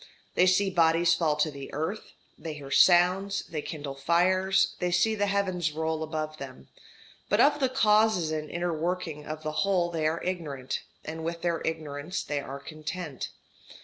They see bodies fall to the earth, they hear sounds, they kindle fires, they see the heavens roll above them, but of the causes and inner working of the whole they are ignorant, and with their ignorance they are content.